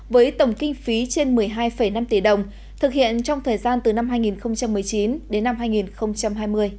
với tổng kinh phí trên một mươi hai năm tỷ đồng thực hiện trong thời gian từ năm hai nghìn một mươi chín đến năm hai nghìn hai mươi